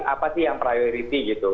apa sih yang priority gitu